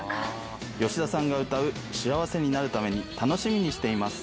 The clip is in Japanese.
吉田さんが歌う幸せになるために、楽しみにしています。